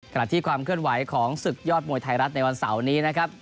ขณะที่ความเคลื่อนไหวของศึกยอดมวยไทยรัฐในวันเสาร์นี้นะครับ